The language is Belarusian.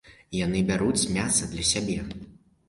Яны бяруць мяса для сябе.